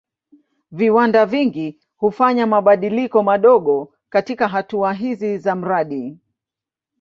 Viwanda vingi hufanya mabadiliko madogo katika hatua hizi za mradi.